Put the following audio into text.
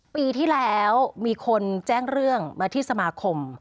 ปีที่แล้วมีคนแจ้งเรื่องมาที่สมาคม